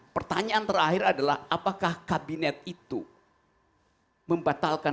pertanyaan terakhir adalah apakah kabinet itu membatalkan